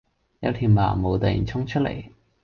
有條盲毛突然衝出嚟